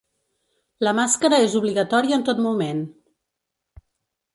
La màscara és obligatòria en tot moment.